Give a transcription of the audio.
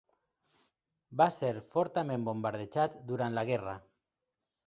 Va ser fortament bombardejat durant la guerra.